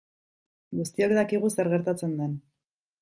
Guztiok dakigu zer gertatzen den.